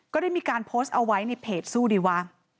ก็ได้มีการโพสต์เอาไว้ในเพจสู้ดีวะ